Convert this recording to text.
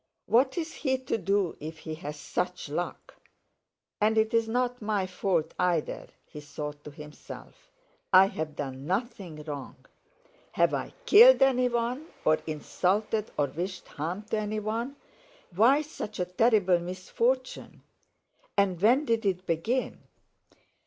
What's he to do if he has such luck?... And it's not my fault either," he thought to himself, "I have done nothing wrong. Have I killed anyone, or insulted or wished harm to anyone? Why such a terrible misfortune? And when did it begin?